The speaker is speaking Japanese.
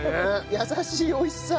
優しいおいしさ。